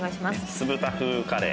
酢豚風カレー。